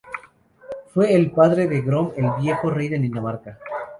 Fue el padre de Gorm el Viejo, rey de Dinamarca.